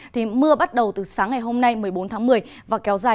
thì mưa bắt đầu từ sáng ngày hôm nay một mươi bốn tháng một mươi và kéo dài